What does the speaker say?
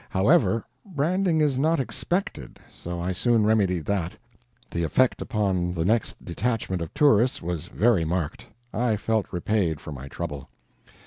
However, branding is not expected, so I soon remedied that. The effect upon the next detachment of tourists was very marked. I felt repaid for my trouble.